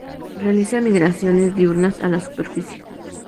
Realiza migraciones diurnas a la superficie.